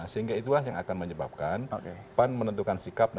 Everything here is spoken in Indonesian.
sehingga itulah yang akan menyebabkan pan menentukan sikapnya